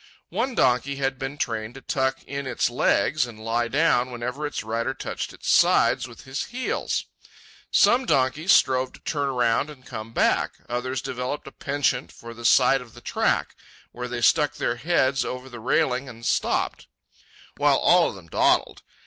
One donkey had been trained to tuck in its legs and lie down whenever its rider touched its sides with his heels. Some donkeys strove to turn around and come back; others developed a penchant for the side of the track, where they stuck their heads over the railing and stopped; while all of them dawdled.